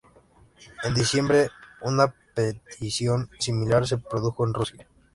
En diciembre, una petición similar se produjo en Rusia.